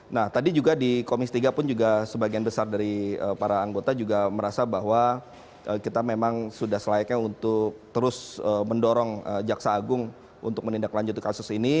nah tadi juga di komisi tiga pun juga sebagian besar dari para anggota juga merasa bahwa kita memang sudah selayaknya untuk terus mendorong jaksa agung untuk menindaklanjuti kasus ini